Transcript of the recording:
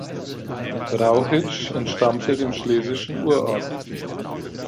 Brauchitsch entstammte dem schlesischen Uradel.